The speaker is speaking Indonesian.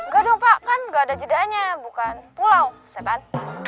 gak dong pak kan gak ada jedanya bukan pulau sepan